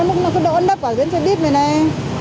nấp vào dưới xe bít này này